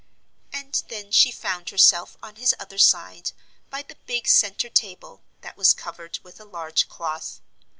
And then she found herself on his other side, by the big centre table, that was covered with a large cloth.